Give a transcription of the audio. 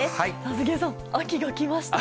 杉江さん、秋、来ましたね。